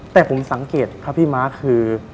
แต่ผมสังเกตครับพี่ม้าคือ